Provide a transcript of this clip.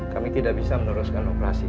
kami tidak bisa meneruskan operasi